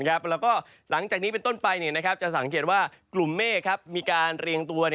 แล้วก็หลังจากนี้เป็นต้นไปจะสังเกตว่ากลุ่มเมฆมีการเรียงตัว